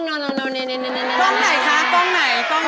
กล้องไหนคะกล้องไหน